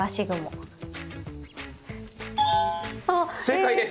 正解です！